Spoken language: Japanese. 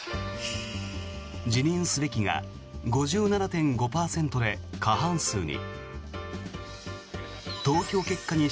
辞任すべきが５７．５％で過半数に。